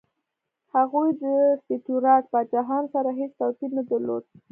هغوی د سټیوراټ پاچاهانو سره هېڅ توپیر نه درلود.